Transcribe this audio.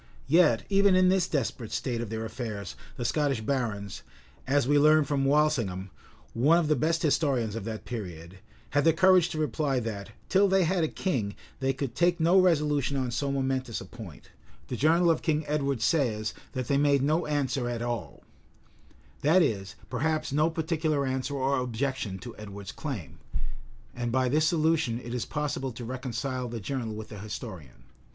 Yet even in this desperate state of their affairs the Scottish barons, as we learn from Walsingham,[*] one of the best historians of that period, had the courage to reply that, till they had a king, they could take no resolution on so momentous a point: the journal of King Edward says, that they made no answer at all;[] that is, perhaps, no particular answer or objection to Edward's claim: and by this solution it is possible to reconcile the journal with the historian.